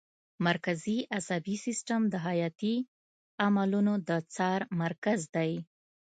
مرکزي عصبي سیستم د حیاتي عملونو د څار مرکز دی